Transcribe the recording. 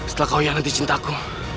setelah kau hianati cintaku